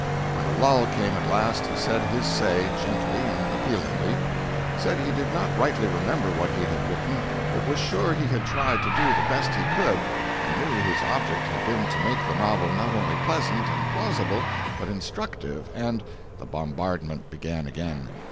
When a lull came at last, he said his say gently and appealingly—said he did not rightly remember what he had written, but was sure he had tried to do the best he could, and knew his object had been to make the novel not only pleasant and plausible but instructive and— The bombardment began again.